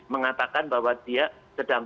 mengatakan bahwa dia sedang